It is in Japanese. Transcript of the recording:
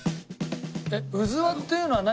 うずわっていうのは何？